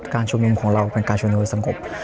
การชมนุมของเราเป็นการชมนุมสงบ